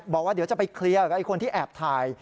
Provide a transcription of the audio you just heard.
บอกว่าเดี๋ยวจะไปเคลียร์กับไอ้คนที่แอบถ่าย